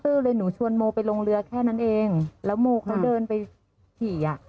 เลยหนูชวนโมไปลงเรือแค่นั้นเองแล้วโมเขาเดินไปขี่อ่ะ